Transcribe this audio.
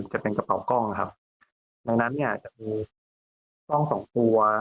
จะเป็นกระเป๋ากล้องครับในนั้นเนี้ยอาจจะมีกล้องสองตัว